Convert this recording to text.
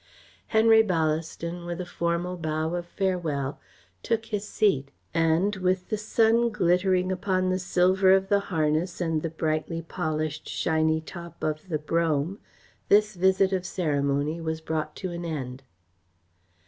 Henry Ballaston, with a formal bow of farewell, took his seat and, with the sun glittering upon the silver of the harness and the brightly polished, shiny top of the brougham, this visit of ceremony was brought to an end.